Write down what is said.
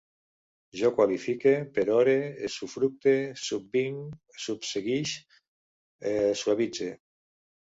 Jo qualifique, perore, usufructue, subvinc, subseguisc, suavitze